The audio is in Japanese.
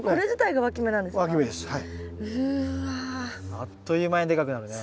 あっという間にでかくなるね。